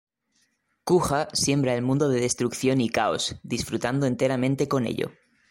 Kuja siembra el mundo de destrucción y caos, disfrutando enteramente con ello.